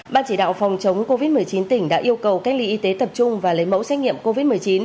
ban chỉ đạo phòng chống covid một mươi chín tỉnh đã yêu cầu cách ly y tế tập trung và lấy mẫu xét nghiệm covid một mươi chín